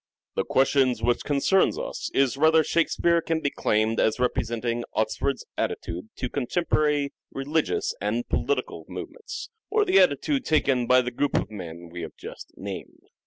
" Shake The question which concerns us is whether Shake Fiunce and Peare can De claimed as representing Oxford's attitude to contemporary religious and political movements or the attitude taken by the group of men we have just named.